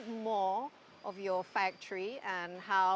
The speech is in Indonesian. dari pejabat anda